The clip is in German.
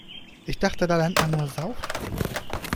Ich dachte, da lernt man nur Saufen.